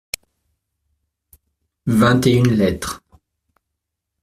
Vingt et une lettres.